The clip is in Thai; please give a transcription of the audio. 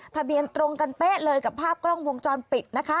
ทะเบียนตรงกันเป๊ะเลยกับภาพกล้องวงจรปิดนะคะ